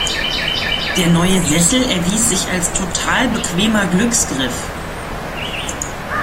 Der neue Sessel erwies sich als total bequemer Glücksgriff.